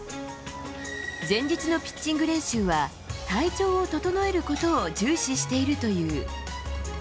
前日のピッチング練習は、体調を整えることを重視しているという。